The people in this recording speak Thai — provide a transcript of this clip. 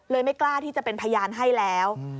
ไม่กล้าที่จะเป็นพยานให้แล้ว